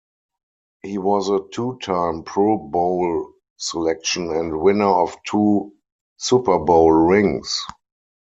He was a two-time Pro Bowl selection and winner of two Super Bowl rings.